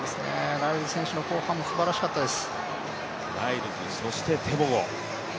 ライルズ選手の後半も素晴らしかったです。